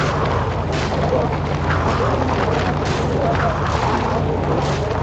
অপহরণ ঘটনায় শনিবার তাঁর মামা বুদ্ধ রঞ্জন চাকমা বাদী হয়ে মামলা করেন।